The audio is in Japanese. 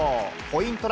ポイント